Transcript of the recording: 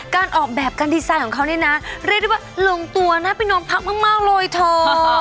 การออกแบบการดีไซน์ของเขาเนี่ยนะเรียกได้ว่าลงตัวน่าไปนอนพักมากเลยเธอ